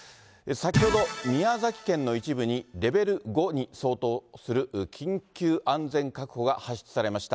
先ほど、宮崎県の一部にレベル５に相当する緊急安全確保が発出されました。